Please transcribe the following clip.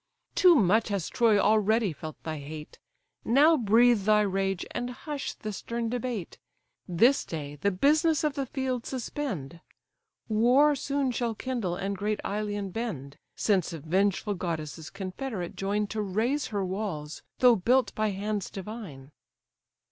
Too much has Troy already felt thy hate, Now breathe thy rage, and hush the stern debate; This day, the business of the field suspend; War soon shall kindle, and great Ilion bend; Since vengeful goddesses confederate join To raze her walls, though built by hands divine."